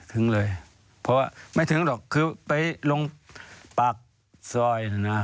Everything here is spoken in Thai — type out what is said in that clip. ถึงเลยเพราะว่าไม่ถึงหรอกคือไปลงปากซอยนะนะ